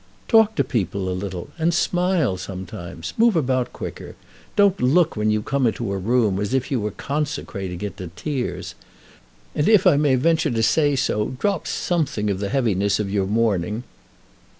"Talk to people a little, and smile sometimes. Move about quicker. Don't look when you come into a room as if you were consecrating it to tears. And, if I may venture to say so, drop something of the heaviness of your mourning."